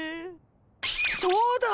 そうだ！